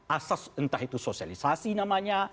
asas entah itu sosialisasi namanya